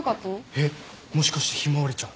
えっもしかして向日葵ちゃん。